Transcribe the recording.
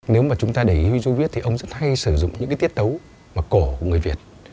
nếu mà chúng ta để ý huy du viết thì ông rất hay sử dụng những cái tiết tấu mà cổ của người việt